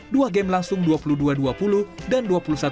dua game langsung dua puluh dua dua puluh dan dua puluh satu dua belas